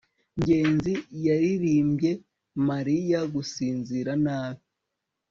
ngenzi yaririmbye mariya gusinzira nabi